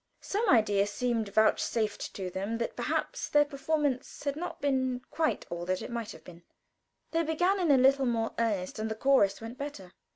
Some idea seemed vouchsafed to them that perhaps their performance had not been quite all that it might have been; they began in a little more earnest, and the chorus went better.